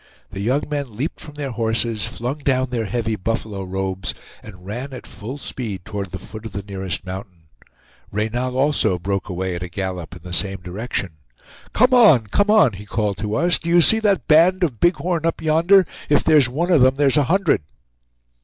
The young men leaped from their horses, flung down their heavy buffalo robes, and ran at full speed toward the foot of the nearest mountain. Reynal also broke away at a gallop in the same direction, "Come on! come on!" he called to us. "Do you see that band of bighorn up yonder? If there's one of them, there's a hundred!"